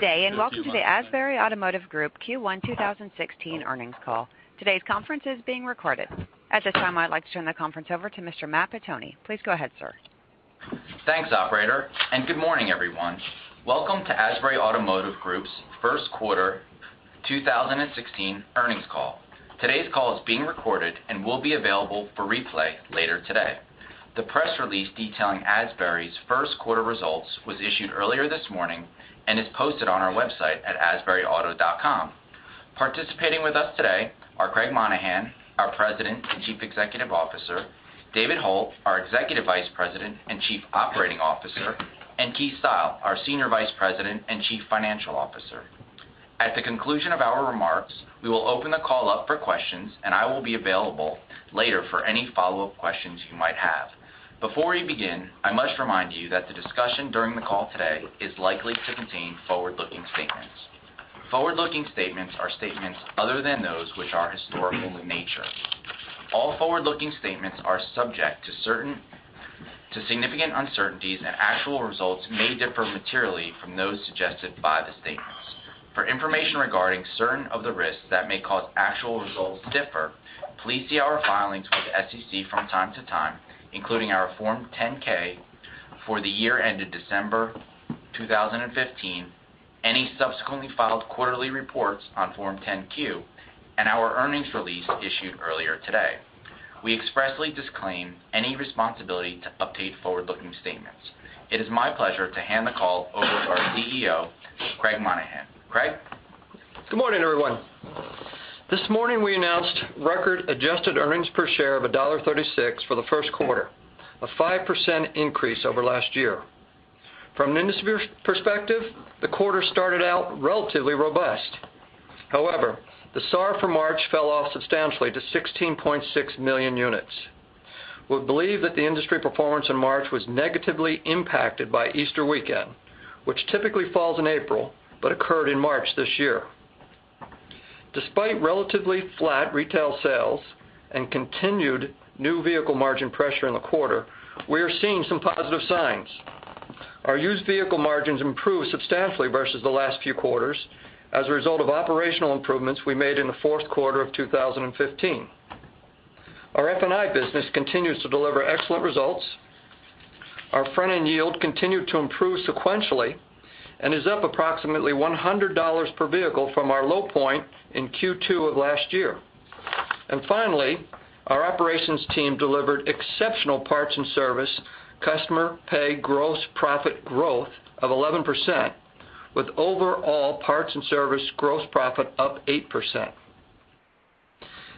Good day, welcome to the Asbury Automotive Group Q1 2016 earnings call. Today's conference is being recorded. At this time, I'd like to turn the conference over to Mr. Matt Pettoni. Please go ahead, sir. Thanks, operator, good morning, everyone. Welcome to Asbury Automotive Group's first quarter 2016 earnings call. Today's call is being recorded and will be available for replay later today. The press release detailing Asbury's first quarter results was issued earlier this morning and is posted on our website at asburyauto.com. Participating with us today are Craig Monaghan, our President and Chief Executive Officer, David Hult, our Executive Vice President and Chief Operating Officer, and Keith Style, our Senior Vice President and Chief Financial Officer. At the conclusion of our remarks, we will open the call up for questions, I will be available later for any follow-up questions you might have. Before we begin, I must remind you that the discussion during the call today is likely to contain forward-looking statements. Forward-looking statements are statements other than those which are historical in nature. All forward-looking statements are subject to significant uncertainties, actual results may differ materially from those suggested by the statements. For information regarding certain of the risks that may cause actual results to differ, please see our filings with the SEC from time to time, including our Form 10-K for the year ended December 2015, any subsequently filed quarterly reports on Form 10-Q, our earnings release issued earlier today. We expressly disclaim any responsibility to update forward-looking statements. It is my pleasure to hand the call over to our CEO, Craig Monaghan. Craig? Good morning, everyone. This morning, we announced record adjusted earnings per share of $1.36 for the first quarter, a 5% increase over last year. From an industry perspective, the quarter started out relatively robust. However, the SAR for March fell off substantially to 16.6 million units. We believe that the industry performance in March was negatively impacted by Easter weekend, which typically falls in April, but occurred in March this year. Despite relatively flat retail sales and continued new vehicle margin pressure in the quarter, we are seeing some positive signs. Our used vehicle margins improved substantially versus the last few quarters as a result of operational improvements we made in the fourth quarter of 2015. Our F&I business continues to deliver excellent results. Our front-end yield continued to improve sequentially, is up approximately $100 per vehicle from our low point in Q2 of last year. Finally, our operations team delivered exceptional parts and service customer pay gross profit growth of 11%, with overall parts and service gross profit up 8%.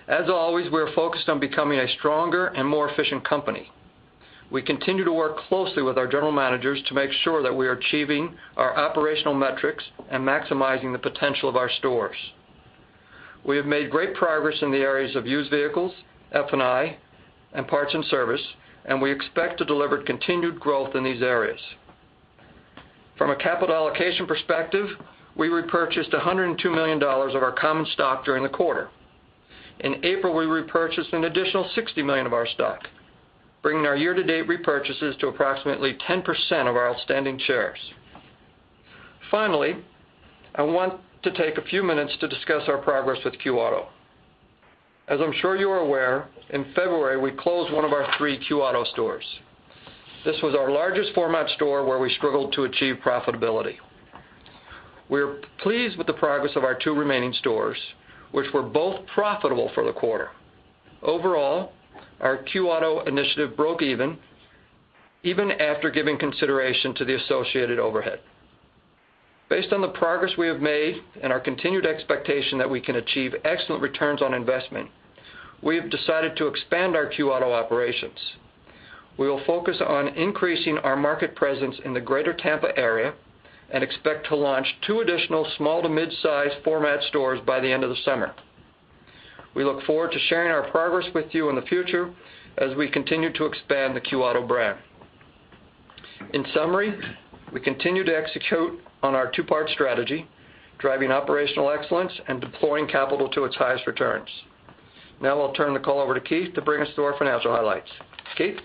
As always, we are focused on becoming a stronger and more efficient company. We continue to work closely with our general managers to make sure that we are achieving our operational metrics and maximizing the potential of our stores. We have made great progress in the areas of used vehicles, F&I, and parts and service, and we expect to deliver continued growth in these areas. From a capital allocation perspective, we repurchased $102 million of our common stock during the quarter. In April, we repurchased an additional $60 million of our stock, bringing our year-to-date repurchases to approximately 10% of our outstanding shares. Finally, I want to take a few minutes to discuss our progress with Q Auto. As I'm sure you are aware, in February, we closed one of our three Q Auto stores. This was our largest format store, where we struggled to achieve profitability. We are pleased with the progress of our two remaining stores, which were both profitable for the quarter. Overall, our Q Auto initiative broke even after giving consideration to the associated overhead. Based on the progress we have made and our continued expectation that we can achieve excellent returns on investment, we have decided to expand our Q Auto operations. We will focus on increasing our market presence in the greater Tampa area and expect to launch two additional small to mid-size format stores by the end of the summer. We look forward to sharing our progress with you in the future as we continue to expand the Q Auto brand. In summary, we continue to execute on our two-part strategy, driving operational excellence and deploying capital to its highest returns. Now I'll turn the call over to Keith to bring us to our financial highlights. Keith?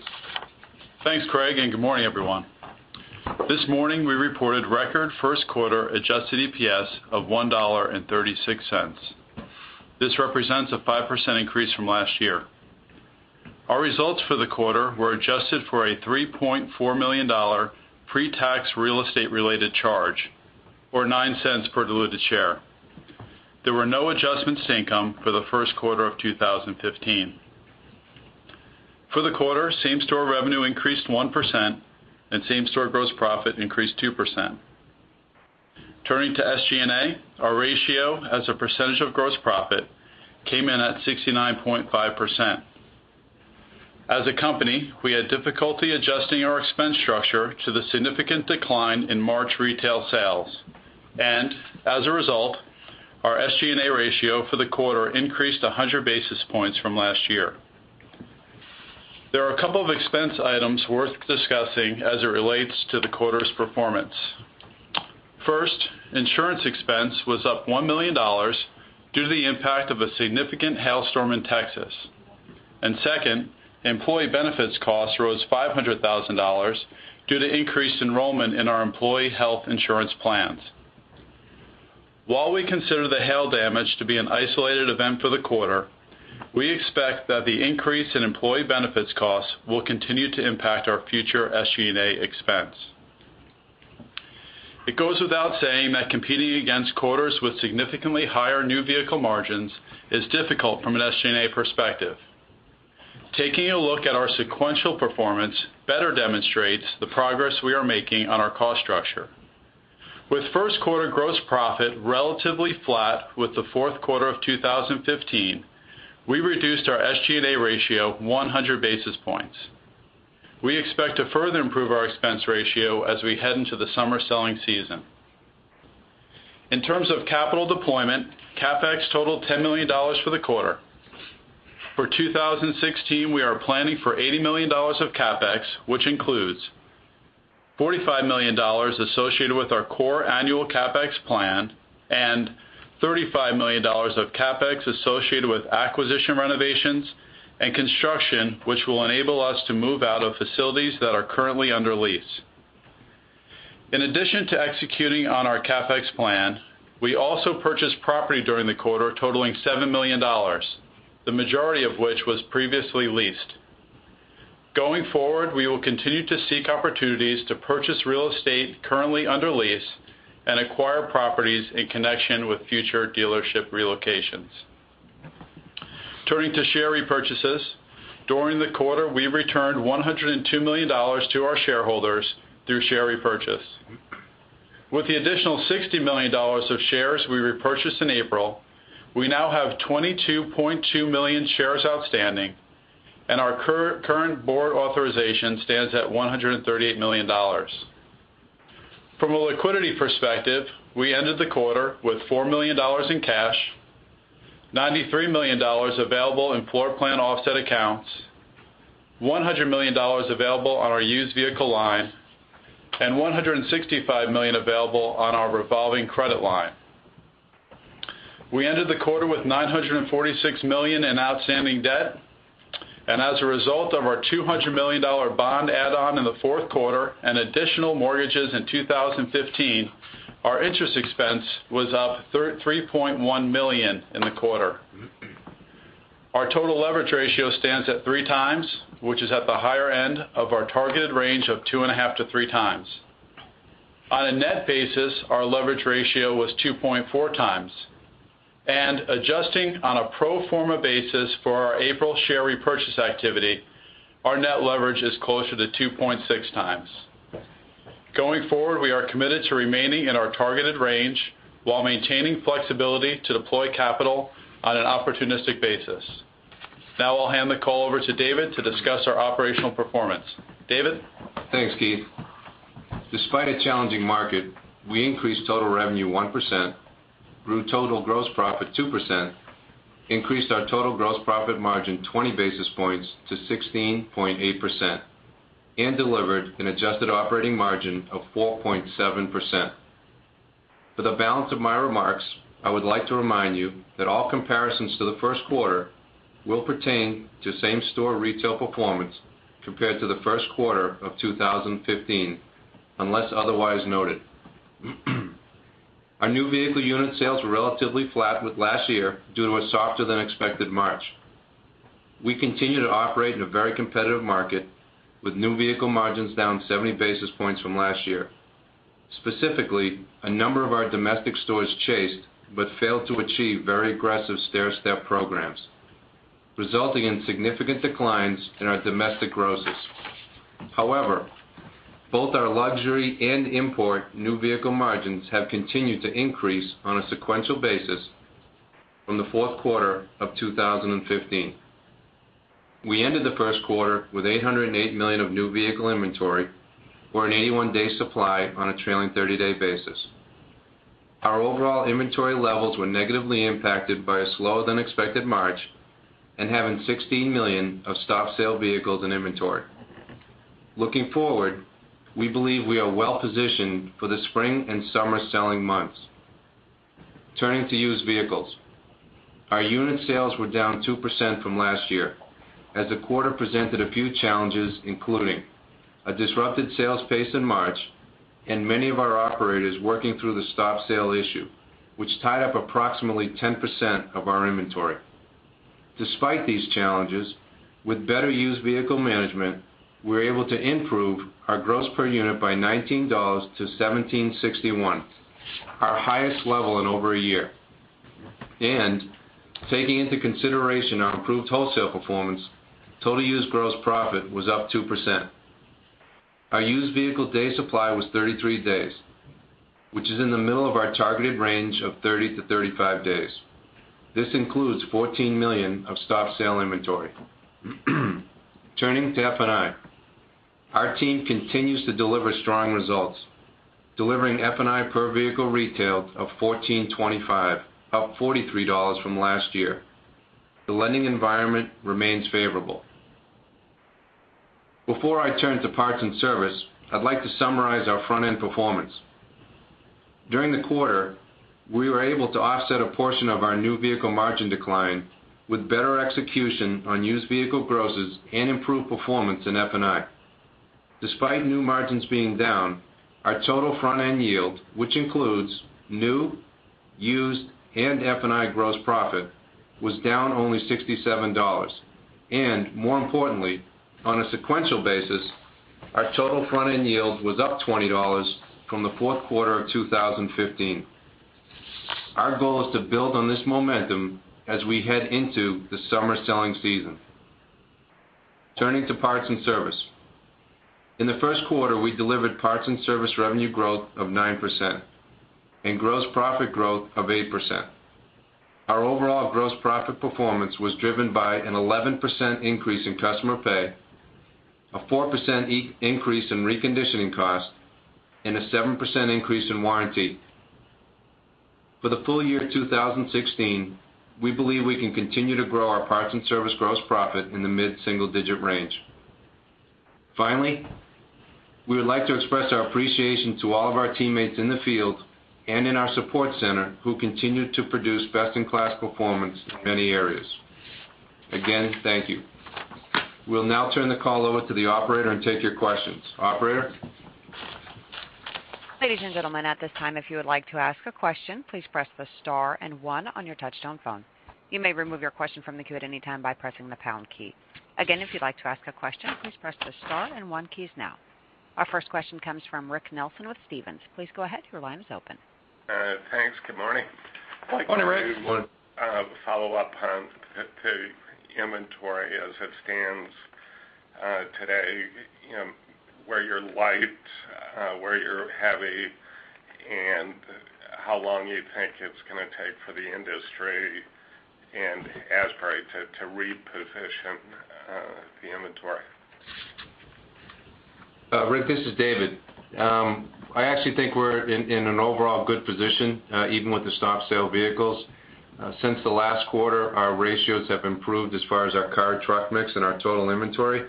Thanks, Craig. Good morning, everyone. This morning, we reported record first quarter adjusted EPS of $1.36. This represents a 5% increase from last year. Our results for the quarter were adjusted for a $3.4 million pre-tax real estate-related charge, or $0.09 per diluted share. There were no adjustments to income for the first quarter of 2015. For the quarter, same-store revenue increased 1%, and same-store gross profit increased 2%. Turning to SG&A, our ratio as a percentage of gross profit came in at 69.5%. As a company, we had difficulty adjusting our expense structure to the significant decline in March retail sales, As a result, our SG&A ratio for the quarter increased 100 basis points from last year. There are a couple of expense items worth discussing as it relates to the quarter's performance. First, insurance expense was up $1 million due to the impact of a significant hailstorm in Texas. Second, employee benefits costs rose $500,000 due to increased enrollment in our employee health insurance plans. While we consider the hail damage to be an isolated event for the quarter, we expect that the increase in employee benefits costs will continue to impact our future SG&A expense. It goes without saying that competing against quarters with significantly higher new vehicle margins is difficult from an SG&A perspective. Taking a look at our sequential performance better demonstrates the progress we are making on our cost structure. With first quarter gross profit relatively flat with the fourth quarter of 2015, we reduced our SG&A ratio 100 basis points. We expect to further improve our expense ratio as we head into the summer selling season. In terms of capital deployment, CapEx totaled $10 million for the quarter. For 2016, we are planning for $80 million of CapEx, which includes $45 million associated with our core annual CapEx plan and $35 million of CapEx associated with acquisition renovations and construction, which will enable us to move out of facilities that are currently under lease. In addition to executing on our CapEx plan, we also purchased property during the quarter totaling $7 million, the majority of which was previously leased. Going forward, we will continue to seek opportunities to purchase real estate currently under lease and acquire properties in connection with future dealership relocations. Turning to share repurchases. During the quarter, we returned $102 million to our shareholders through share repurchase. With the additional $60 million of shares we repurchased in April, we now have 22.2 million shares outstanding, and our current board authorization stands at $138 million. From a liquidity perspective, we ended the quarter with $4 million in cash, $93 million available in floor plan offset accounts, $100 million available on our used vehicle line, and $165 million available on our revolving credit line. We ended the quarter with $946 million in outstanding debt. As a result of our $200 million bond add-on in the fourth quarter and additional mortgages in 2015, our interest expense was up $3.1 million in the quarter. Our total leverage ratio stands at three times, which is at the higher end of our targeted range of two and a half to three times. On a net basis, our leverage ratio was 2.4 times, and adjusting on a pro forma basis for our April share repurchase activity, our net leverage is closer to 2.6 times. Going forward, we are committed to remaining in our targeted range while maintaining flexibility to deploy capital on an opportunistic basis. Now I'll hand the call over to David to discuss our operational performance. David? Thanks, Keith. Despite a challenging market, we increased total revenue 1%, grew total gross profit 2%, increased our total gross profit margin 20 basis points to 16.8%, and delivered an adjusted operating margin of 4.7%. For the balance of my remarks, I would like to remind you that all comparisons to the first quarter will pertain to same-store retail performance compared to the first quarter of 2015, unless otherwise noted. Our new vehicle unit sales were relatively flat with last year due to a softer than expected March. We continue to operate in a very competitive market with new vehicle margins down 70 basis points from last year. Specifically, a number of our domestic stores chased, but failed to achieve very aggressive stair-step programs, resulting in significant declines in our domestic grosses. Both our luxury and import new vehicle margins have continued to increase on a sequential basis from the fourth quarter of 2015. We ended the first quarter with $808 million of new vehicle inventory or an 81-day supply on a trailing 30-day basis. Our overall inventory levels were negatively impacted by a slower than expected March and having $16 million of stop sale vehicles and inventory. Looking forward, we believe we are well-positioned for the spring and summer selling months. Turning to used vehicles. Our unit sales were down 2% from last year as the quarter presented a few challenges, including a disrupted sales pace in March and many of our operators working through the stop sale issue, which tied up approximately 10% of our inventory. Despite these challenges, with better used vehicle management, we were able to improve our gross per unit by $19 to $1,761, our highest level in over a year. Taking into consideration our improved wholesale performance, total used gross profit was up 2%. Our used vehicle day supply was 33 days, which is in the middle of our targeted range of 30-35 days. This includes $14 million of stop sale inventory. Turning to F&I. Our team continues to deliver strong results, delivering F&I per vehicle retailed of $1,425, up $43 from last year. The lending environment remains favorable. Before I turn to parts and service, I'd like to summarize our front-end performance. During the quarter, we were able to offset a portion of our new vehicle margin decline with better execution on used vehicle grosses and improved performance in F&I. Despite new margins being down, our total front-end yield, which includes new, used, and F&I gross profit, was down only $67. More importantly, on a sequential basis, our total front-end yield was up $20 from the fourth quarter of 2015. Our goal is to build on this momentum as we head into the summer selling season. Turning to parts and service. In the first quarter, we delivered parts and service revenue growth of 9% and gross profit growth of 8%. Our overall gross profit performance was driven by an 11% increase in customer pay, a 4% increase in reconditioning cost, and a 7% increase in warranty. For the full year 2016, we believe we can continue to grow our parts and service gross profit in the mid-single-digit range. Finally, we would like to express our appreciation to all of our teammates in the field and in our support center who continue to produce best-in-class performance in many areas. Again, thank you. We'll now turn the call over to the operator and take your questions. Operator? Ladies and gentlemen, at this time, if you would like to ask a question, please press the star and one on your touch-tone phone. You may remove your question from the queue at any time by pressing the pound key. Again, if you'd like to ask a question, please press the star and one keys now. Our first question comes from Rick Nelson with Stephens. Please go ahead, your line is open. Thanks. Good morning. Good morning, Rick. I'd like to follow up on the inventory as it stands today, where you're light, where you're heavy, and how long you think it's going to take for the industry and Asbury to reposition the inventory. Rick, this is David. I actually think we're in an overall good position, even with the stop sale vehicles. Since the last quarter, our ratios have improved as far as our car-truck mix and our total inventory,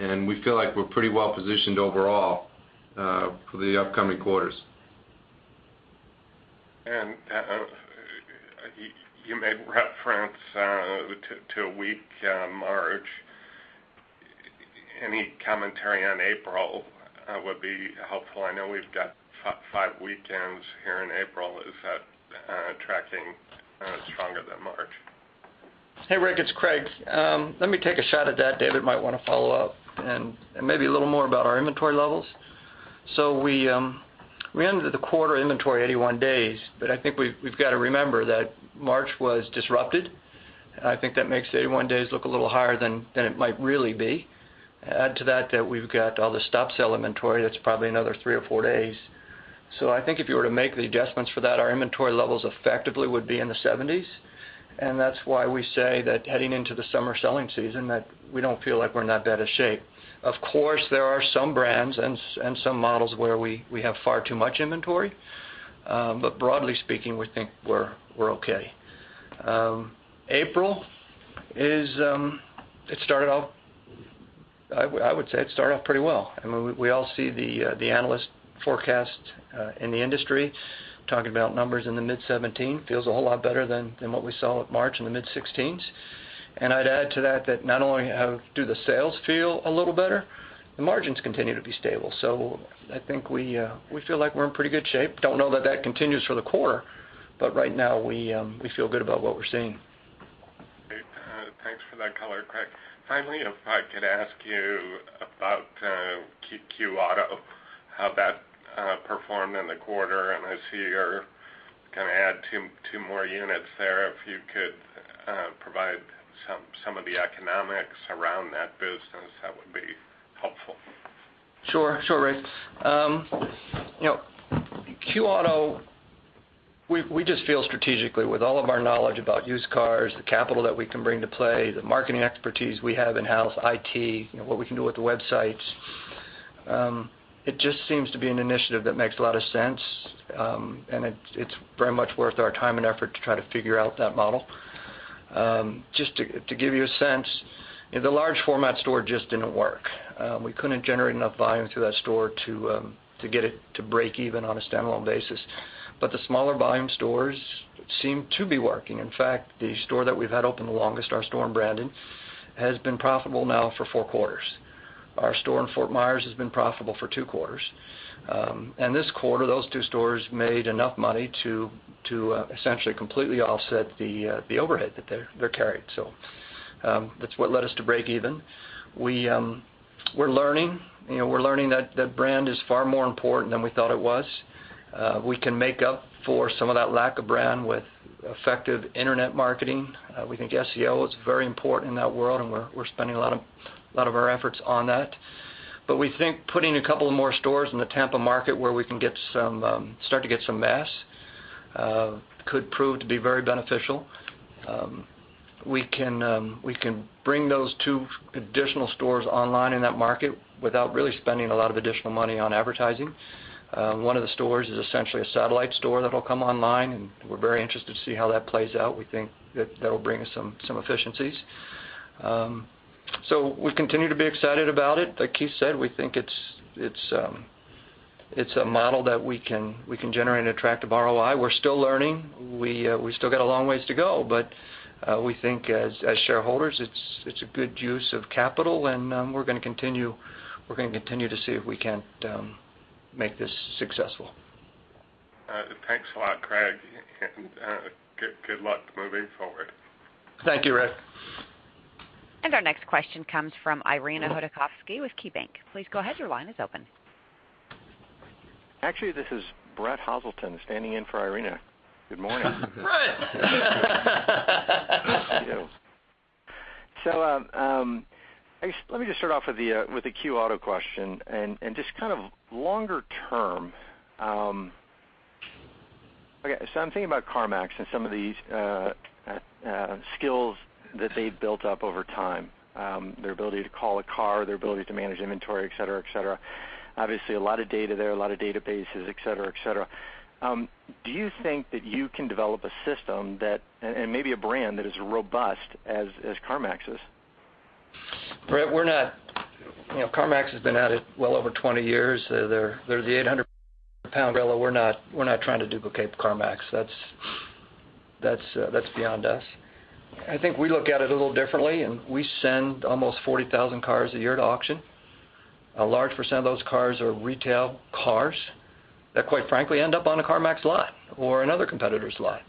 we feel like we're pretty well positioned overall, for the upcoming quarters. You made reference to a weak March. Any commentary on April would be helpful. I know we've got five weekends here in April. Is that tracking stronger than March? Hey, Rick, it's Craig. Let me take a shot at that. David might want to follow up and maybe a little more about our inventory levels. We ended the quarter inventory 81 days, I think we've got to remember that March was disrupted. I think that makes 81 days look a little higher than it might really be. Add to that we've got all the stop sale inventory, that's probably another three or four days. I think if you were to make the adjustments for that, our inventory levels effectively would be in the 70s, that's why we say that heading into the summer selling season, that we don't feel like we're in that bad a shape. Of course, there are some brands and some models where we have far too much inventory. Broadly speaking, we think we're okay. April, I would say it started off pretty well. We all see the analyst forecast in the industry talking about numbers in the mid-17. Feels a whole lot better than what we saw at March in the mid-16s. I'd add to that not only do the sales feel a little better, the margins continue to be stable. I think we feel like we're in pretty good shape. Don't know that that continues for the quarter, but right now we feel good about what we're seeing. Great. Thanks for that color, Craig. Finally, if I could ask you about Q Auto, how that performed in the quarter, and I see you're going to add two more units there. If you could provide some of the economics around that business, that would be helpful. Sure, Rick. Q Auto, we just feel strategically with all of our knowledge about used cars, the capital that we can bring to play, the marketing expertise we have in-house, IT, what we can do with the websites, it just seems to be an initiative that makes a lot of sense. It's very much worth our time and effort to try to figure out that model. Just to give you a sense, the large format store just didn't work. We couldn't generate enough volume through that store to get it to break even on a standalone basis. The smaller volume stores seem to be working. In fact, the store that we've had open the longest, our store in Brandon, has been profitable now for four quarters. Our store in Fort Myers has been profitable for two quarters. This quarter, those two stores made enough money to essentially completely offset the overhead that they're carrying. That's what led us to break even. We're learning. We're learning that brand is far more important than we thought it was. We can make up for some of that lack of brand with effective internet marketing. We think SEO is very important in that world, we're spending a lot of our efforts on that. We think putting a couple of more stores in the Tampa market where we can start to get some mass, could prove to be very beneficial. We can bring those two additional stores online in that market without really spending a lot of additional money on advertising. One of the stores is essentially a satellite store that'll come online, and we're very interested to see how that plays out. We think that that'll bring us some efficiencies. We continue to be excited about it. Like Keith said, we think it's a model that we can generate an attractive ROI. We're still learning. We still got a long ways to go, we think as shareholders, it's a good use of capital, and we're going to continue to see if we can make this successful. Thanks a lot, Craig, good luck moving forward. Thank you, Rick. Our next question comes from Irina Hudakovsky with KeyBank. Please go ahead. Your line is open. Actually, this is Brett Hoselton standing in for Irina. Good morning. Brett. Let me just start off with a Q Auto question and just kind of longer term. Okay, I'm thinking about CarMax and some of these skills that they've built up over time, their ability to call a car, their ability to manage inventory, et cetera. Obviously, a lot of data there, a lot of databases, et cetera. Do you think that you can develop a system and maybe a brand that is as robust as CarMax is? Brett, CarMax has been at it well over 20 years. They're the 800-pound gorilla. We're not trying to duplicate CarMax. That's beyond us. I think we look at it a little differently, we send almost 40,000 cars a year to auction. A large percent of those cars are retail cars that, quite frankly, end up on a CarMax lot or another competitor's lot.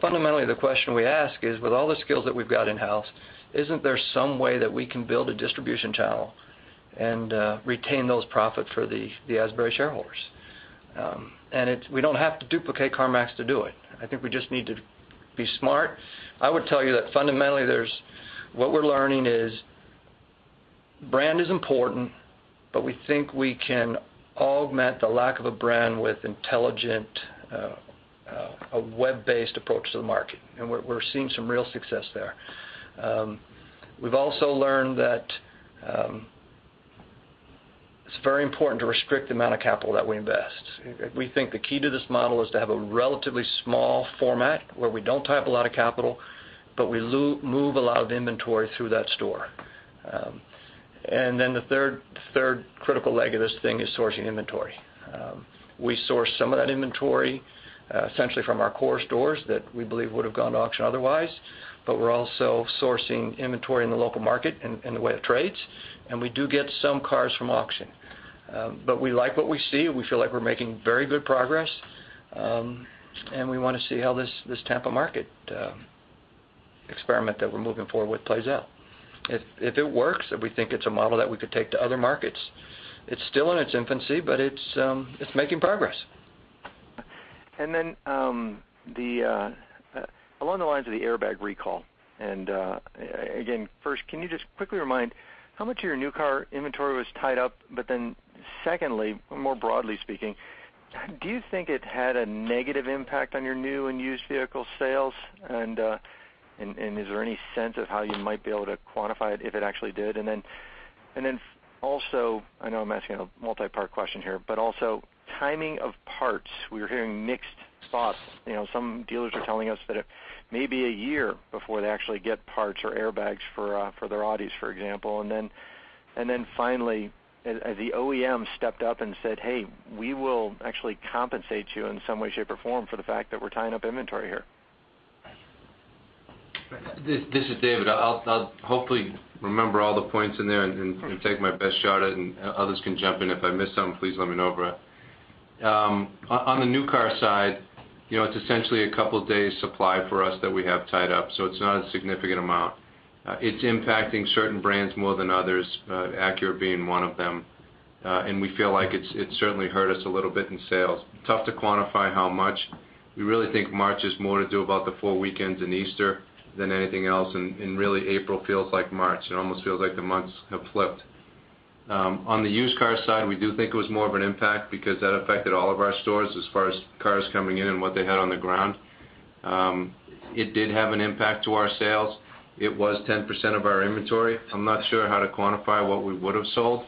Fundamentally, the question we ask is, with all the skills that we've got in-house, isn't there some way that we can build a distribution channel and retain those profits for the Asbury shareholders? We don't have to duplicate CarMax to do it. I think we just need to be smart. I would tell you that fundamentally, what we're learning is brand is important, we think we can augment the lack of a brand with an intelligent web-based approach to the market. We're seeing some real success there. We've also learned that it's very important to restrict the amount of capital that we invest. We think the key to this model is to have a relatively small format where we don't tie up a lot of capital, we move a lot of inventory through that store. The third critical leg of this thing is sourcing inventory. We source some of that inventory essentially from our core stores that we believe would have gone to auction otherwise, we're also sourcing inventory in the local market in the way of trades, and we do get some cars from auction. We like what we see. We feel like we're making very good progress. We want to see how this Tampa market experiment that we're moving forward with plays out. If it works, if we think it's a model that we could take to other markets, it's still in its infancy, but it's making progress. Along the lines of the airbag recall, again, first, can you just quickly remind how much of your new car inventory was tied up? Secondly, more broadly speaking, do you think it had a negative impact on your new and used vehicle sales? Is there any sense of how you might be able to quantify it if it actually did? Also, I know I'm asking a multipart question here, but also timing of parts. We're hearing mixed spots. Some dealers are telling us that it may be a year before they actually get parts or airbags for their Audis, for example. Finally, the OEM stepped up and said, "Hey, we will actually compensate you in some way, shape, or form for the fact that we're tying up inventory here. This is David. I'll hopefully remember all the points in there and take my best shot at it, others can jump in if I miss something. Please let me know, Brett. On the new car side, it's essentially a couple of days supply for us that we have tied up. It's not a significant amount. It's impacting certain brands more than others, Acura being one of them. We feel like it certainly hurt us a little bit in sales. Tough to quantify how much. We really think March is more to do about the four weekends in Easter than anything else. Really, April feels like March. It almost feels like the months have flipped. On the used car side, we do think it was more of an impact because that affected all of our stores as far as cars coming in and what they had on the ground. It did have an impact on our sales. It was 10% of our inventory. I'm not sure how to quantify what we would have sold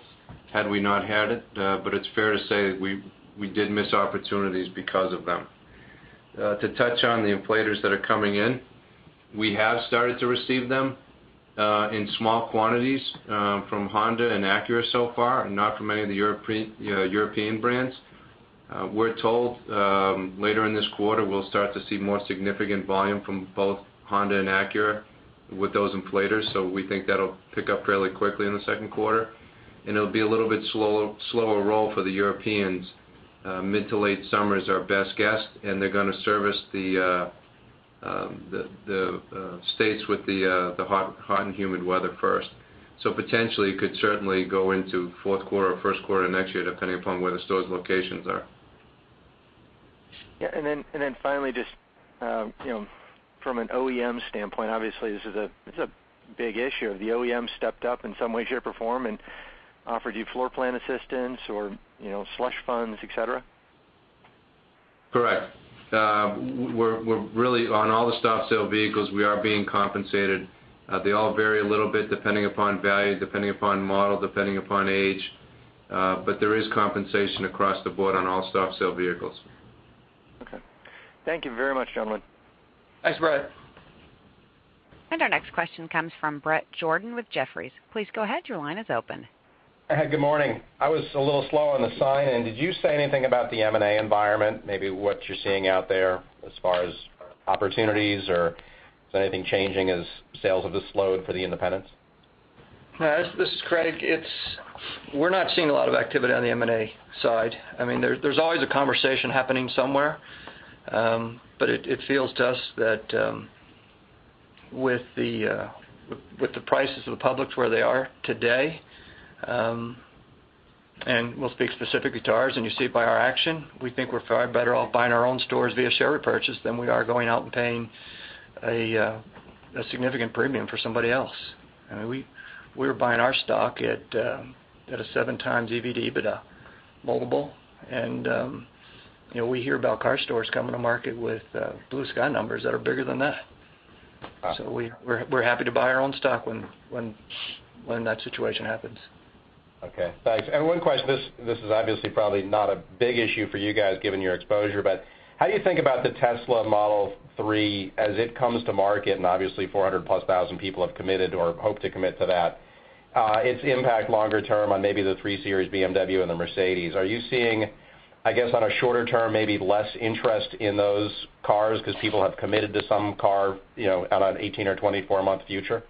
had we not had it's fair to say we did miss opportunities because of them. To touch on the inflators that are coming in, we have started to receive them in small quantities from Honda and Acura so far, not from any of the European brands. We're told later in this quarter, we'll start to see more significant volume from both Honda and Acura with those inflators. We think that'll pick up fairly quickly in the second quarter, it'll be a little bit slower roll for the Europeans. Mid to late summer is our best guess, they're going to service the states with the hot and humid weather first. Potentially, it could certainly go into fourth quarter or first quarter next year, depending upon where the store's locations are. Yeah. Finally, just from an OEM standpoint, obviously, this is a big issue. Have the OEM stepped up in some way, shape, or form and offered you floor plan assistance or slush funds, et cetera? Correct. On all the stop sale vehicles, we are being compensated. They all vary a little bit depending upon value, depending upon model, depending upon age. There is compensation across the board on all stop sale vehicles. Okay. Thank you very much, gentlemen. Thanks, Brett. Our next question comes from Bret Jordan with Jefferies. Please go ahead, your line is open. Good morning. I was a little slow on the sign in. Did you say anything about the M&A environment, maybe what you're seeing out there as far as opportunities, or is anything changing as sales have slowed for the independents? This is Craig. We're not seeing a lot of activity on the M&A side. There's always a conversation happening somewhere. It feels to us that with the prices of the publics where they are today, and we'll speak specifically to ours, and you see it by our action, we think we're far better off buying our own stores via share repurchase than we are going out and paying a significant premium for somebody else. We're buying our stock at a seven times EBITDA but multiple. We hear about car stores coming to market with blue sky numbers that are bigger than that. Wow. We are happy to buy our own stock when that situation happens. Okay, thanks. One question, this is obviously probably not a big issue for you guys given your exposure, but how do you think about the Tesla Model 3 as it comes to market, and obviously 400,000-plus people have committed or hope to commit to that, its impact longer term on maybe the 3 Series BMW and the Mercedes-Benz. Are you seeing, I guess, on a shorter term, maybe less interest in those cars because people have committed to some car out on 18- or 24-month future?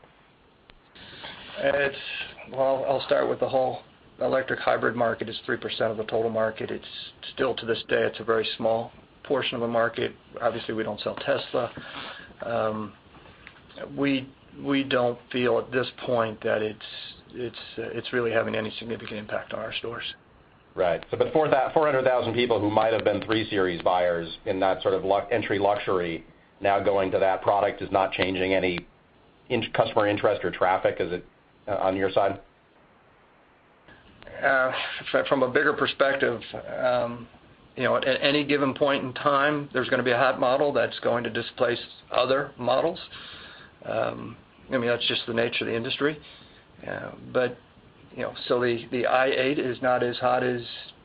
Well, I will start with the whole electric hybrid market is 3% of the total market. Still to this day, it is a very small portion of the market. Obviously, we do not sell Tesla. We do not feel at this point that it is really having any significant impact on our stores. Right. 400,000 people who might have been 3 Series buyers in that sort of entry luxury now going to that product is not changing any customer interest or traffic, is it, on your side? From a bigger perspective, at any given point in time, there's going to be a hot model that's going to displace other models. That's just the nature of the industry. The i8 is not as hot as.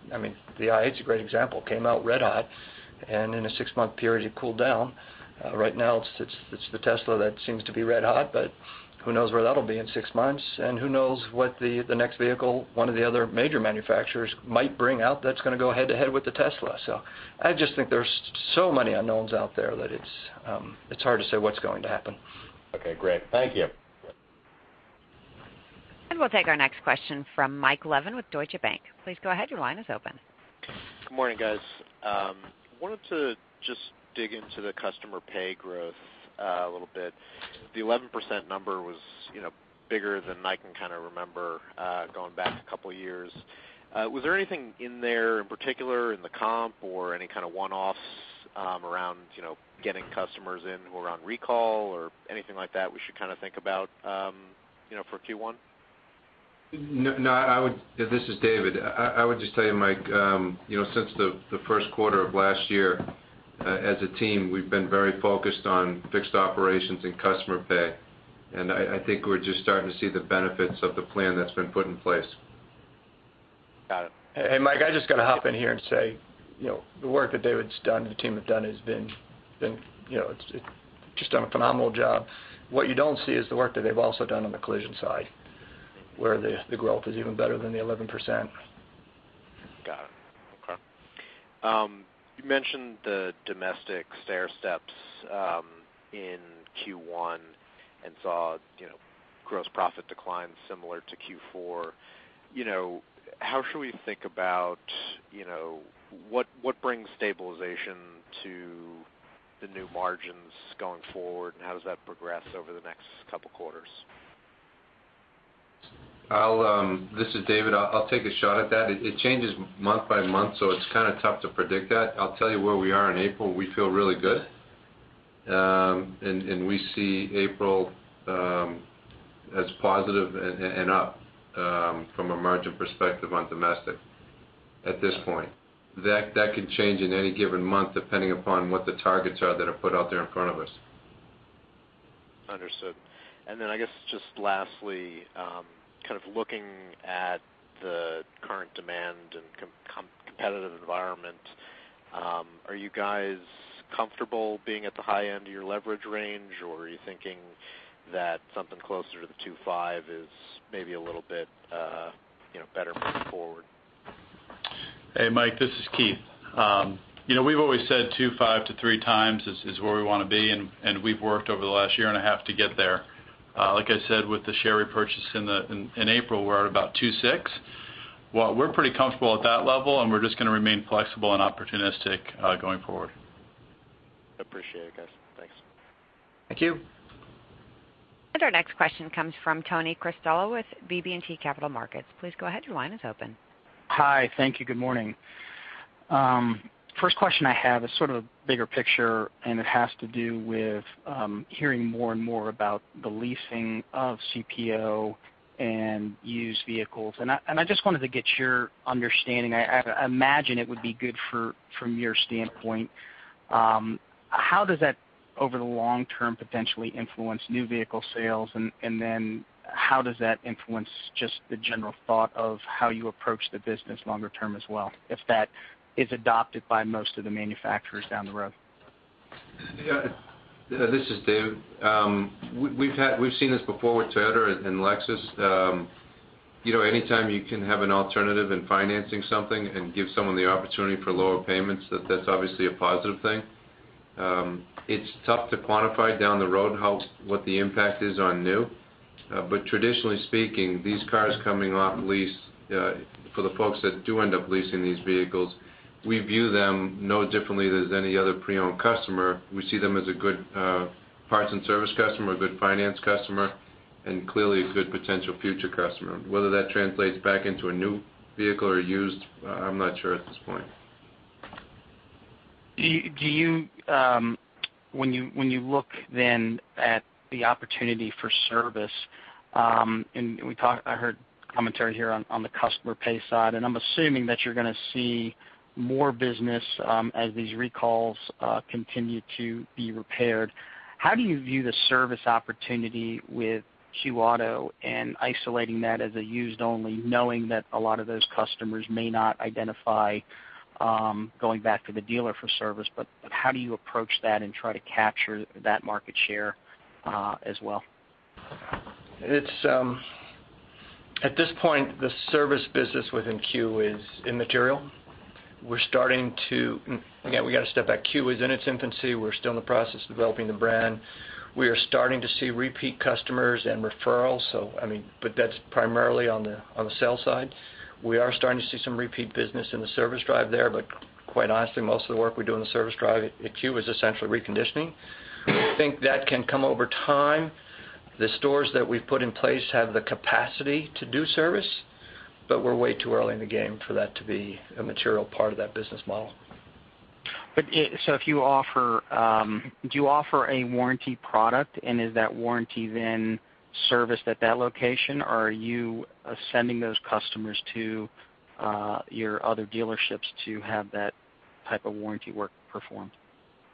The i8's a great example. Came out red hot, and in a six-month period, it cooled down. Right now, it's the Tesla that seems to be red hot, but who knows where that'll be in six months, and who knows what the next vehicle one of the other major manufacturers might bring out that's going to go head to head with the Tesla. I just think there's so many unknowns out there that it's hard to say what's going to happen. Okay, great. Thank you. We'll take our next question from Michael Levin with Deutsche Bank. Please go ahead, your line is open. Good morning, guys. I wanted to just dig into the customer pay growth a little bit. The 11% number was bigger than I can remember going back a couple of years. Was there anything in there in particular in the comp or any kind of one-offs around getting customers in who are on recall or anything like that we should think about for Q1? No. This is David. I would just tell you, Mike, since the first quarter of last year, as a team, we've been very focused on fixed operations and customer pay. I think we're just starting to see the benefits of the plan that's been put in place. Got it. Hey, Mike, I just got to hop in here and say, the work that David's done and the team have done, they've just done a phenomenal job. What you don't see is the work that they've also done on the collision side, where the growth is even better than the 11%. Got it. Okay. You mentioned the domestic stairsteps in Q1 and saw gross profit decline similar to Q4. How should we think about what brings stabilization to the new margins going forward, and how does that progress over the next couple quarters? This is David. I'll take a shot at that. It changes month by month, so it's kind of tough to predict that. I'll tell you where we are in April. We feel really good. We see April as positive and up from a margin perspective on domestic at this point. That could change in any given month, depending upon what the targets are that are put out there in front of us. Understood. Then I guess just lastly, looking at the current demand and competitive environment, are you guys comfortable being at the high end of your leverage range, or are you thinking that something closer to the 2.5 is maybe a little bit better moving forward? Hey, Mike, this is Keith. We've always said 2.5 to 3 times is where we want to be, we've worked over the last year and a half to get there. Like I said, with the share repurchase in April, we're at about 2.6. We're pretty comfortable at that level, we're just going to remain flexible and opportunistic going forward. Appreciate it, guys. Thanks. Thank you. Our next question comes from Anthony Cristello with BB&T Capital Markets. Please go ahead, your line is open. Hi. Thank you. Good morning. First question I have is sort of a bigger picture. It has to do with hearing more and more about the leasing of CPO and used vehicles. I just wanted to get your understanding. I imagine it would be good from your standpoint. How does that over the long term, potentially influence new vehicle sales? How does that influence just the general thought of how you approach the business longer term as well, if that is adopted by most of the manufacturers down the road? Yeah. This is Dave. We've seen this before with Toyota and Lexus. Anytime you can have an alternative in financing something and give someone the opportunity for lower payments, that's obviously a positive thing. It's tough to quantify down the road what the impact is on new. Traditionally speaking, these cars coming off lease, for the folks that do end up leasing these vehicles, we view them no differently than any other pre-owned customer. We see them as a good parts and service customer, a good finance customer, and clearly a good potential future customer. Whether that translates back into a new vehicle or used, I'm not sure at this point. When you look at the opportunity for service, I heard commentary here on the customer pay side, and I'm assuming that you're going to see more business as these recalls continue to be repaired. How do you view the service opportunity with Q Auto and isolating that as a used only, knowing that a lot of those customers may not identify going back to the dealer for service, but how do you approach that and try to capture that market share as well? At this point, the service business within Q is immaterial. Again, we got to step back. Q is in its infancy. We're still in the process of developing the brand. We are starting to see repeat customers and referrals. That's primarily on the sales side. We are starting to see some repeat business in the service drive there, but quite honestly, most of the work we do in the service drive at Q is essentially reconditioning. I think that can come over time. The stores that we've put in place have the capacity to do service, but we're way too early in the game for that to be a material part of that business model. Do you offer a warranty product, and is that warranty then serviced at that location, or are you sending those customers to your other dealerships to have that type of warranty work performed?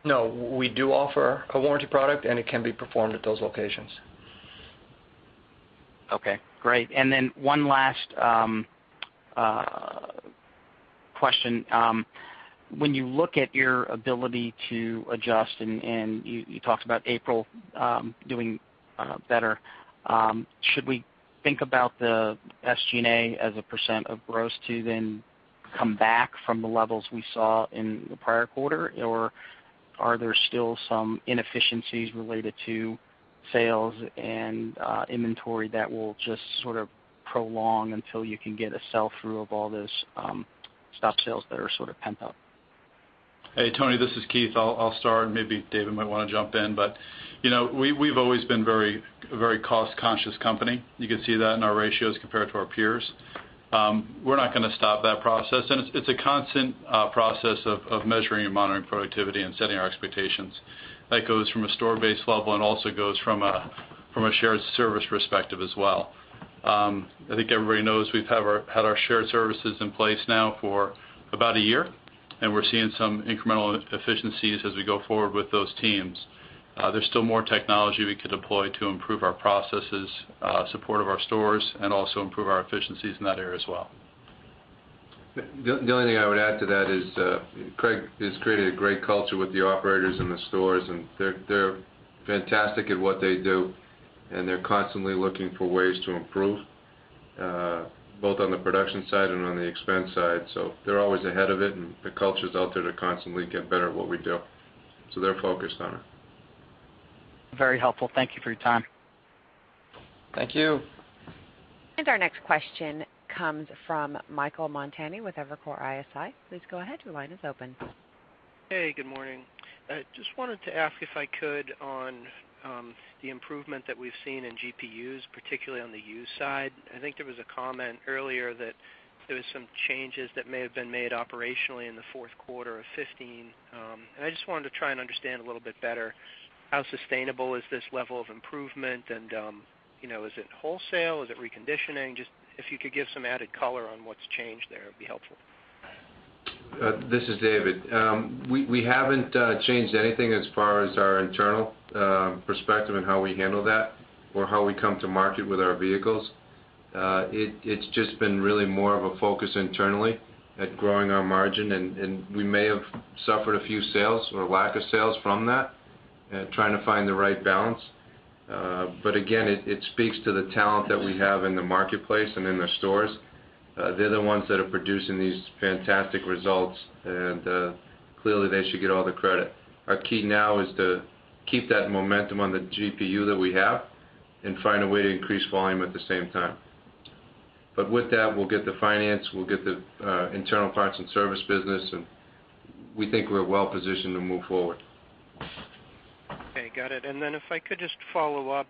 No, we do offer a warranty product, and it can be performed at those locations. Okay, great. One last question. When you look at your ability to adjust, and you talked about April doing better, should we think about the SG&A as a percent of gross to then come back from the levels we saw in the prior quarter, or are there still some inefficiencies related to sales and inventory that will just sort of prolong until you can get a sell-through of all this stock sales that are sort of pent up? Hey, Tony, this is Keith. I'll start, and maybe David might want to jump in. We've always been a very cost-conscious company. You can see that in our ratios compared to our peers. We're not going to stop that process. It's a constant process of measuring and monitoring productivity and setting our expectations. That goes from a store-based level and also goes from a shared service perspective as well. I think everybody knows we've had our shared services in place now for about a year, and we're seeing some incremental efficiencies as we go forward with those teams. There's still more technology we could deploy to improve our processes, support of our stores, and also improve our efficiencies in that area as well. The only thing I would add to that is Craig has created a great culture with the operators in the stores, and they're fantastic at what they do, and they're constantly looking for ways to improve, both on the production side and on the expense side. They're always ahead of it, and the culture is out there to constantly get better at what we do. They're focused on it. Very helpful. Thank you for your time. Thank you. Our next question comes from Michael Montani with Evercore ISI. Please go ahead. Your line is open. Hey, good morning. Just wanted to ask, if I could, on the improvement that we've seen in GPUs, particularly on the used side. I think there was a comment earlier that there was some changes that may have been made operationally in the fourth quarter of 2015. I just wanted to try and understand a little bit better how sustainable is this level of improvement, and is it wholesale? Is it reconditioning? Just if you could give some added color on what's changed there, it'd be helpful. This is David. We haven't changed anything as far as our internal perspective on how we handle that or how we come to market with our vehicles. It's just been really more of a focus internally at growing our margin, and we may have suffered a few sales or lack of sales from that, trying to find the right balance. Again, it speaks to the talent that we have in the marketplace and in the stores. They're the ones that are producing these fantastic results, and clearly, they should get all the credit. Our key now is to keep that momentum on the GPU that we have and find a way to increase volume at the same time. With that, we'll get the finance, we'll get the internal parts and service business, and we think we're well positioned to move forward. Okay, got it. Then if I could just follow up.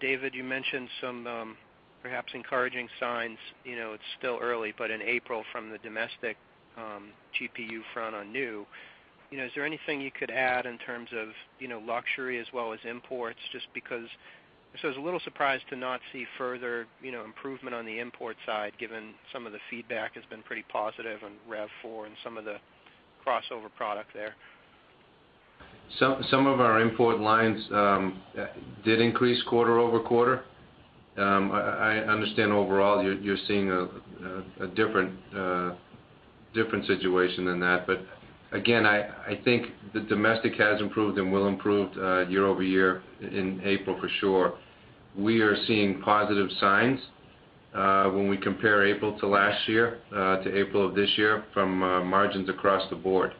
David, you mentioned some perhaps encouraging signs. It's still early, in April, from the domestic GPU front on new. Is there anything you could add in terms of luxury as well as imports, just because I was a little surprised to not see further improvement on the import side, given some of the feedback has been pretty positive on RAV4 and some of the crossover product there. Some of our import lines did increase quarter-over-quarter. I understand overall you're seeing a different situation than that, again, I think the domestic has improved and will improve year-over-year in April for sure. We are seeing positive signs when we compare April to last year to April of this year from margins across the board,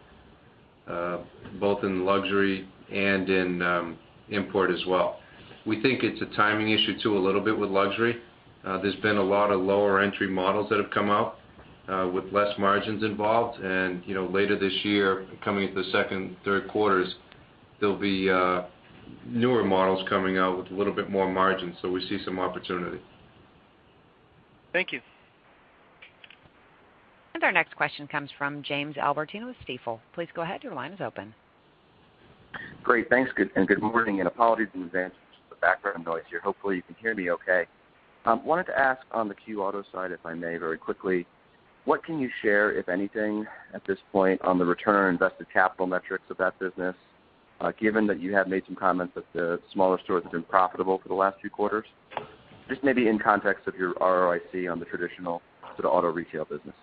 both in luxury and in import as well. We think it's a timing issue, too, a little bit with luxury. There's been a lot of lower entry models that have come out with less margins involved, later this year, coming into the second and third quarters, there'll be newer models coming out with a little bit more margin. We see some opportunity. Thank you. Our next question comes from James Albertine with Stifel. Please go ahead. Your line is open. Great. Thanks, good morning, apologies in advance for the background noise here. Hopefully, you can hear me okay. Wanted to ask on the Q Auto side, if I may, very quickly, what can you share, if anything, at this point on the return on invested capital metrics of that business, given that you have made some comments that the smaller store has been profitable for the last few quarters? Just maybe in context of your ROIC on the traditional sort of auto retail business.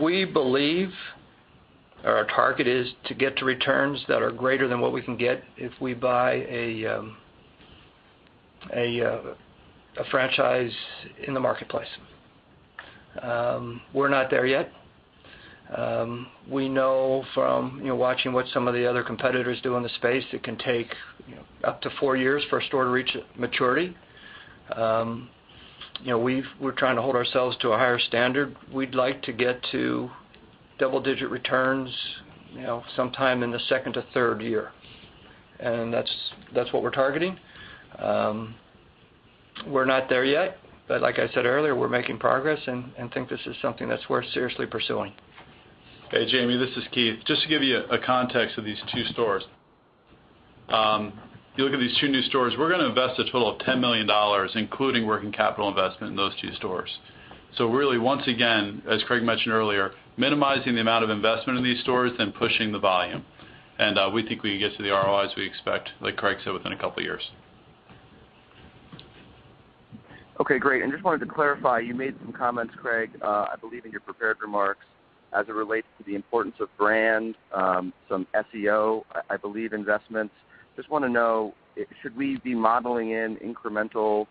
We believe our target is to get to returns that are greater than what we can get if we buy a franchise in the marketplace. We're not there yet. We know from watching what some of the other competitors do in the space, it can take up to four years for a store to reach maturity. We're trying to hold ourselves to a higher standard. We'd like to get to double-digit returns sometime in the 2nd to 3rd year, that's what we're targeting. We're not there yet, like I said earlier, we're making progress think this is something that's worth seriously pursuing. Hey, Jamie, this is Keith. Just to give you a context of these two stores. You look at these two new stores, we're going to invest a total of $10 million, including working capital investment in those two stores. Really, once again, as Craig mentioned earlier, minimizing the amount of investment in these stores pushing the volume. We think we can get to the ROIs we expect, like Craig said, within a couple of years. Okay, great. Just wanted to clarify, you made some comments, Craig, I believe in your prepared remarks as it relates to the importance of brand, some SEO, I believe investments. Just want to know, should we be modeling in incremental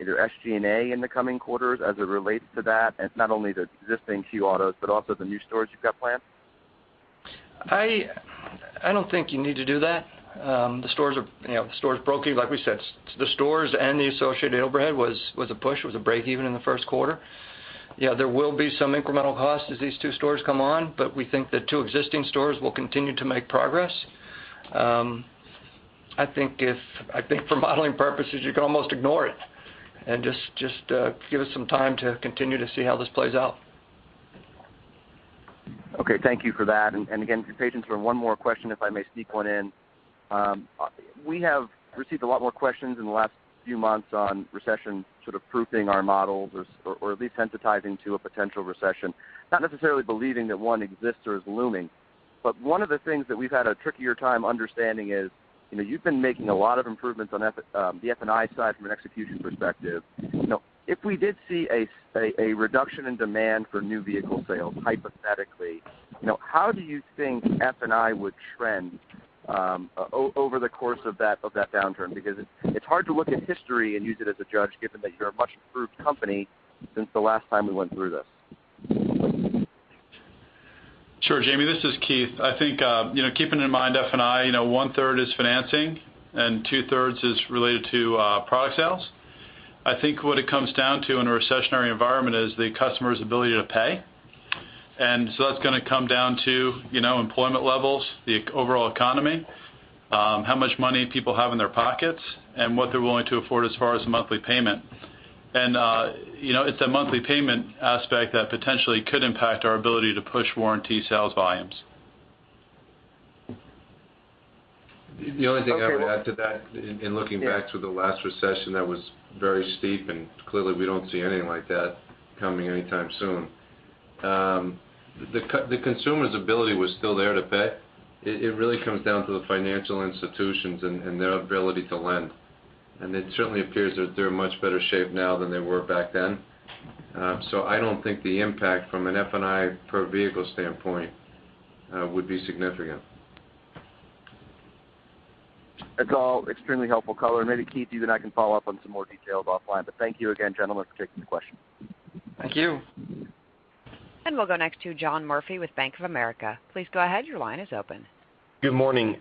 either SG&A in the coming quarters as it relates to that, not only the existing Q Autos, also the new stores you've got planned? I don't think you need to do that. The store is broken. Like we said, the stores and the associated overhead was a push. It was a break even in the first quarter. Yeah, there will be some incremental costs as these two stores come on, but we think the two existing stores will continue to make progress. I think for modeling purposes, you can almost ignore it and just give us some time to continue to see how this plays out. Okay. Thank you for that. Again, your patience for one more question, if I may sneak one in. We have received a lot more questions in the last few months on recession sort of proofing our models or at least sensitizing to a potential recession, not necessarily believing that one exists or is looming. One of the things that we've had a trickier time understanding is, you've been making a lot of improvements on the F&I side from an execution perspective. If we did see a reduction in demand for new vehicle sales, hypothetically, how do you think F&I would trend over the course of that downturn? Because it's hard to look at history and use it as a judge, given that you're a much improved company since the last time we went through this. Sure, Jamie, this is Keith. I think keeping in mind F&I, one-third is financing and two-thirds is related to product sales. I think what it comes down to in a recessionary environment is the customer's ability to pay. That's going to come down to employment levels, the overall economy, how much money people have in their pockets, and what they're willing to afford as far as a monthly payment. It's a monthly payment aspect that potentially could impact our ability to push warranty sales volumes. The only thing I would add to that, in looking back to the last recession that was very steep, and clearly we don't see anything like that coming anytime soon. The consumer's ability was still there to pay. It really comes down to the financial institutions and their ability to lend, and it certainly appears that they're in much better shape now than they were back then. I don't think the impact from an F&I per vehicle standpoint would be significant. That's all extremely helpful color. Maybe, Keith, you and I can follow up on some more details offline. Thank you again, gentlemen, for taking the question. Thank you. We'll go next to John Murphy with Bank of America. Please go ahead. Your line is open. Good morning.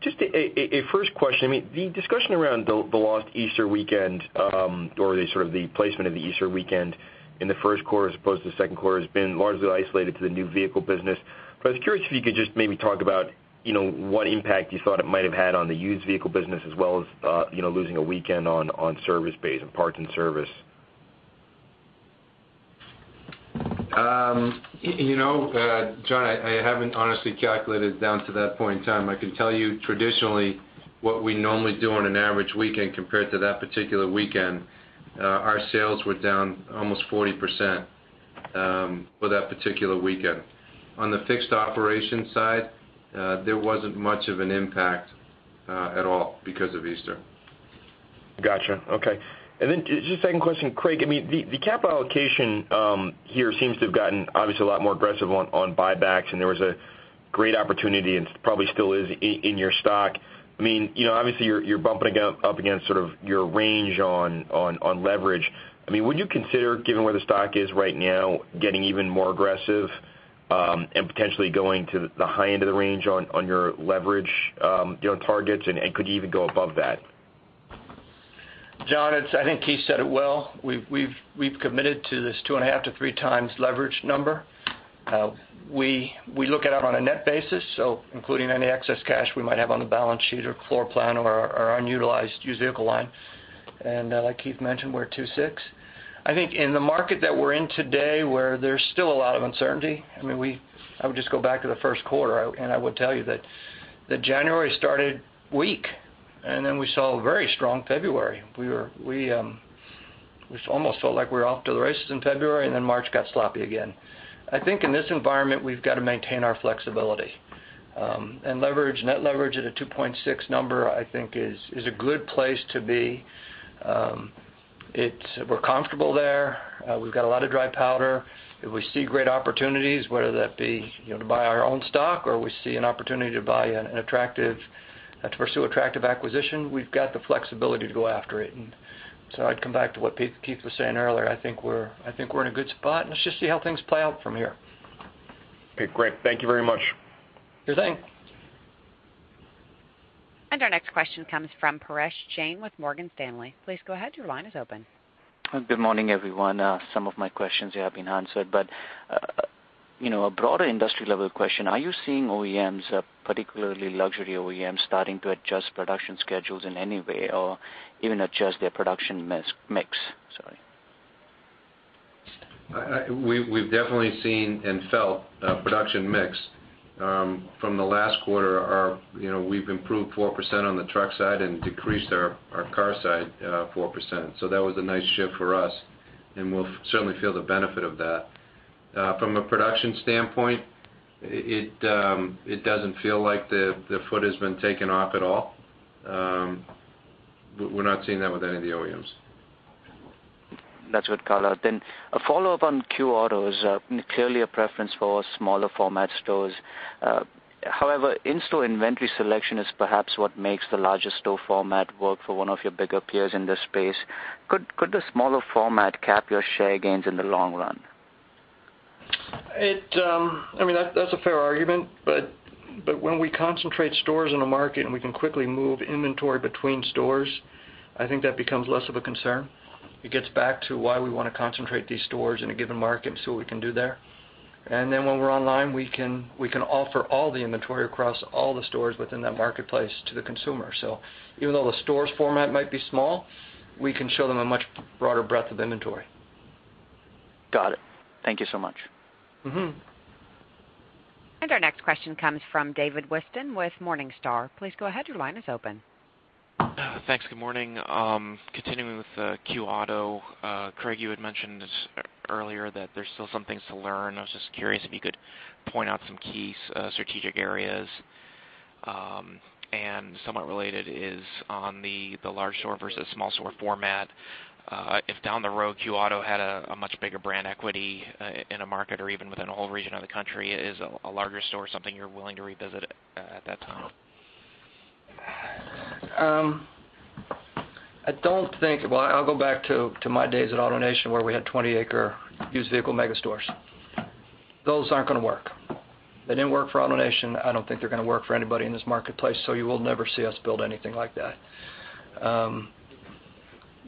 Just a first question. The discussion around the lost Easter weekend, or the sort of the placement of the Easter weekend in the first quarter as opposed to the second quarter, has been largely isolated to the new vehicle business. I was curious if you could just maybe talk about what impact you thought it might have had on the used vehicle business, as well as losing a weekend on service bays and parts and service John, I haven't honestly calculated down to that point in time. I can tell you traditionally, what we normally do on an average weekend compared to that particular weekend, our sales were down almost 40% for that particular weekend. On the fixed operations side, there wasn't much of an impact at all because of Easter. Got you. Okay. Then just a second question, Craig. The capital allocation here seems to have gotten obviously a lot more aggressive on buybacks, there was a great opportunity, probably still is, in your stock. Obviously, you're bumping up against sort of your range on leverage. Would you consider, given where the stock is right now, getting even more aggressive, potentially going to the high end of the range on your leverage targets, could you even go above that? John, I think Keith said it well. We've committed to this two and a half to three times leverage number. We look at it on a net basis, so including any excess cash we might have on the balance sheet or floor plan or unutilized used vehicle line. Like Keith mentioned, we're at 2.6. I think in the market that we're in today, where there's still a lot of uncertainty, I would just go back to the first quarter, I would tell you that January started weak, then we saw a very strong February. It almost felt like we were off to the races in February, then March got sloppy again. I think in this environment, we've got to maintain our flexibility. Net leverage at a 2.6 number, I think is a good place to be. We're comfortable there. We've got a lot of dry powder. If we see great opportunities, whether that be to buy our own stock or we see an opportunity to pursue an attractive acquisition, we've got the flexibility to go after it. So I'd come back to what Keith was saying earlier. I think we're in a good spot, let's just see how things play out from here. Okay, great. Thank you very much. Sure thing. Our next question comes from Paresh Shah with Morgan Stanley. Please go ahead, your line is open. Good morning, everyone. Some of my questions have been answered, but a broader industry-level question. Are you seeing OEMs, particularly luxury OEMs, starting to adjust production schedules in any way or even adjust their production mix? Sorry. We've definitely seen and felt production mix. From the last quarter, we've improved 4% on the truck side and decreased our car side 4%. That was a nice shift for us, and we'll certainly feel the benefit of that. From a production standpoint, it doesn't feel like the foot has been taken off at all. We're not seeing that with any of the OEMs. That's good color. A follow-up on Q Auto is clearly a preference for smaller format stores. However, in-store inventory selection is perhaps what makes the larger store format work for one of your bigger peers in this space. Could the smaller format cap your share gains in the long run? That's a fair argument, when we concentrate stores in a market and we can quickly move inventory between stores, I think that becomes less of a concern. It gets back to why we want to concentrate these stores in a given market and see what we can do there. When we're online, we can offer all the inventory across all the stores within that marketplace to the consumer. Even though the store's format might be small, we can show them a much broader breadth of inventory. Got it. Thank you so much. Our next question comes from David Whiston with Morningstar. Please go ahead, your line is open. Thanks. Good morning. Continuing with Q Auto, Craig, you had mentioned earlier that there's still some things to learn. I was just curious if you could point out some key strategic areas. Somewhat related is on the large store versus small store format. If down the road Q Auto had a much bigger brand equity in a market or even within a whole region of the country, is a larger store something you're willing to revisit at that time? I'll go back to my days at AutoNation, where we had 20-acre used vehicle mega stores. Those aren't going to work. They didn't work for AutoNation. I don't think they're going to work for anybody in this marketplace, you will never see us build anything like that.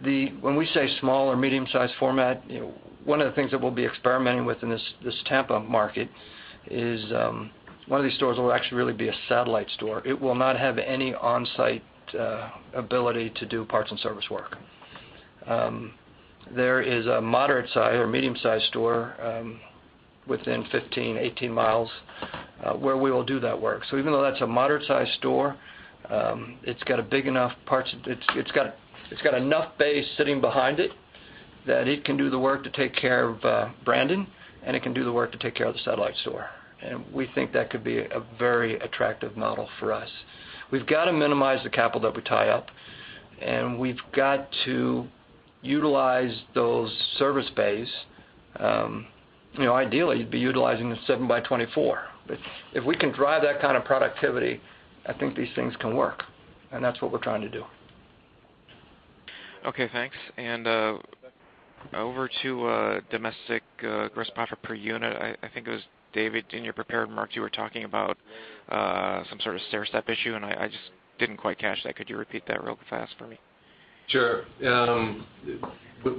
When we say small or medium-sized format, one of the things that we'll be experimenting with in this Tampa market is one of these stores will actually really be a satellite store. It will not have any on-site ability to do parts and service work. There is a moderate-size or medium-size store within 15, 18 miles where we will do that work. Even though that's a moderate-size store, it's got enough base sitting behind it that it can do the work to take care of Brandon, and it can do the work to take care of the satellite store. We think that could be a very attractive model for us. We've got to minimize the capital that we tie up, and we've got to utilize those service bays. Ideally, you'd be utilizing them seven by 24. If we can drive that kind of productivity, I think these things can work, and that's what we're trying to do. Okay, thanks. Over to domestic gross profit per unit. I think it was David, in your prepared remarks, you were talking about some sort of stairstep issue, and I just didn't quite catch that. Could you repeat that real fast for me? Sure.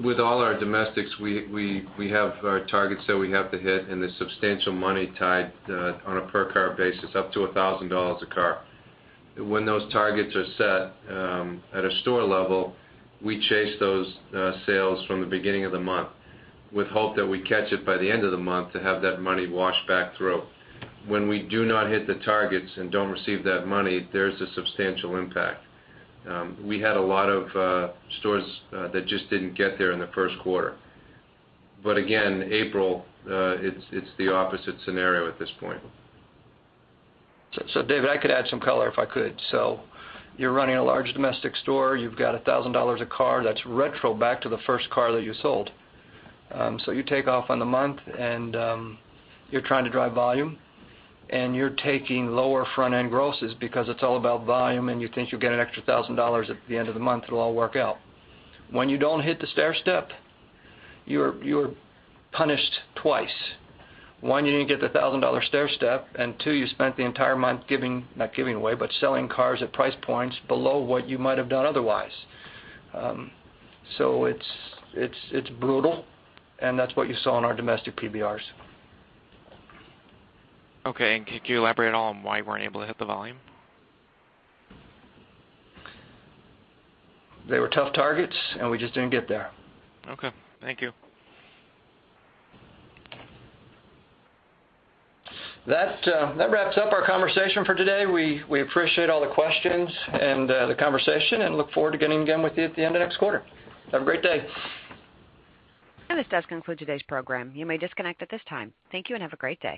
With all our domestics, we have our targets that we have to hit and there's substantial money tied on a per car basis, up to $1,000 a car. When those targets are set at a store level, we chase those sales from the beginning of the month with hope that we catch it by the end of the month to have that money wash back through. When we do not hit the targets and don't receive that money, there's a substantial impact. We had a lot of stores that just didn't get there in the first quarter. Again, April, it's the opposite scenario at this point. David, I could add some color if I could. You're running a large domestic store. You've got $1,000 a car that's retro back to the first car that you sold. You take off on the month, and you're trying to drive volume, and you're taking lower front-end grosses because it's all about volume, and you think you'll get an extra $1,000 at the end of the month. It'll all work out. When you don't hit the stairstep, you're punished twice. One, you didn't get the $1,000 stairstep, and two, you spent the entire month giving, not giving away, but selling cars at price points below what you might have done otherwise. It's brutal, and that's what you saw in our domestic PVRs. Okay, could you elaborate at all on why you weren't able to hit the volume? They were tough targets, we just didn't get there. Okay. Thank you. That wraps up our conversation for today. We appreciate all the questions and the conversation and look forward to getting again with you at the end of next quarter. Have a great day. This does conclude today's program. You may disconnect at this time. Thank you and have a great day.